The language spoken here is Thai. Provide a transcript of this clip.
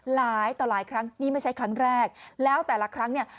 หลายต่อหลายครั้งนี่ไม่ใช่ครั้งแรกแล้วแต่ละครั้งเนี่ย